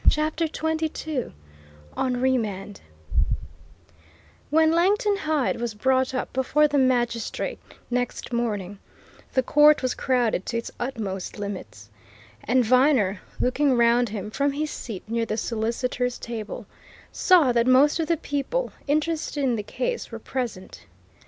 CHAPTER XXII ON REMAND When Langton Hyde was brought up before the magistrate next morning, the court was crowded to its utmost limits; and Viner, looking round him from his seat near the solicitors' table saw that most of the people interested in the case were present.